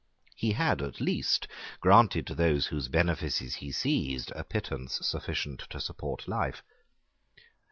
He had at least granted to those whose benefices he seized a pittance sufficient to support life.